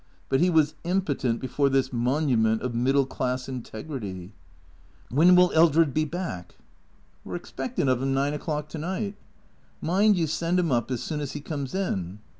But he was impotent before this monument of middle class integrity. "^Vlien will Eldred be back?" " We 're expecting of 'im nine o'clock to night." " Mind you send him up as soon as he comes in."